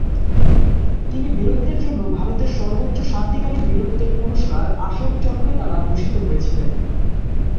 তিনি বীরত্বের জন্য ভারতের সর্বোচ্চ শান্তিকালীন বীরত্বের পুরস্কার অশোক চক্রে দ্বারা ভূষিত হয়েছিলেন।